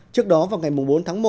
trước đó vào ngày bốn tháng một